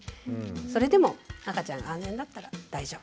それでも赤ちゃんが安全だったら大丈夫。